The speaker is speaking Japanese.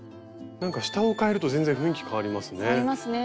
なんか下をかえると全然雰囲気変わりますね。